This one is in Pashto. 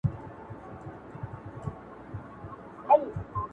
چي به پورته څوك پر تخت د سلطنت سو!!